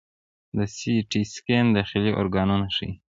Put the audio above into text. د سی ټي سکین داخلي ارګانونه ښيي.